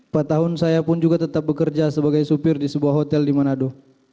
empat tahun saya pun juga tetap bekerja sebagai supir di sebuah hotel di manado